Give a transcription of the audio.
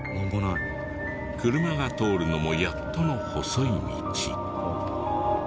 車が通るのもやっとの細い道。